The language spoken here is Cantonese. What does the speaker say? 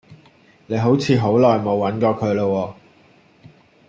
你好似好耐冇揾佢啦喎